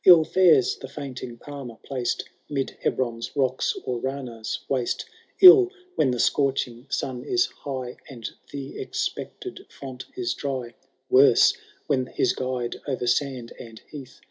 111 fares the fkinting Palmer, placed 'Mid Hebron^s rocks or Rana*s wastes— 111 when the scorching sun is high, And the expected font is drj,— Worse when his guide o'er sand and heath.